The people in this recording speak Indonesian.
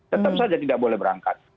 tetap saja tidak boleh berangkat